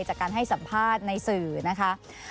จากการให้สัมภาษณ์ในสื่อนะคะ